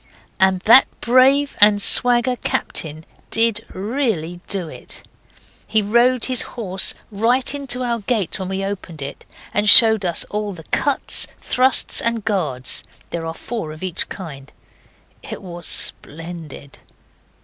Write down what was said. And that brave and swagger captain did really do it. He rode his horse right into our gate when we opened it, and showed us all the cuts, thrusts, and guards. There are four of each kind. It was splendid.